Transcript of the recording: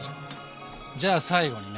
じゃあ最後にね